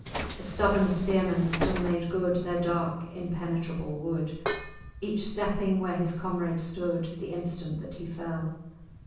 The stubborn spearmen still made good Their dark impenetrable wood, Each stepping where his comrade stood The instant that he fell.